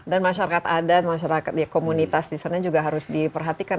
dan masyarakat adat masyarakat komunitas di sana juga harus diperhatikan